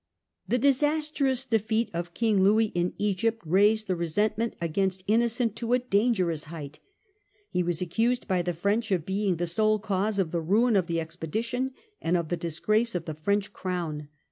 The disastrous defeat of King Louis in Egypt raised the resentment against Innocent to a dangerous height. He was accused by the French of being the sole cause of the ruin of the expedition and of the disgrace of the French Crown.